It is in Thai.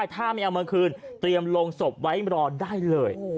ถ้าไม่เอามาคืนเตรียมลงศพไว้รอได้เลย